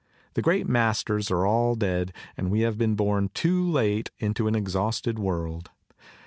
The great masters are all dead and we have been born too late into an exhausted world.